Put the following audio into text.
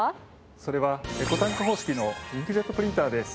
それはエコタンク方式のインクジェットプリンターです。